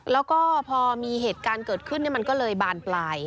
แล้วก็พอมีเหตุการณ์เกิดขึ้นมันก็เลยบานปลาย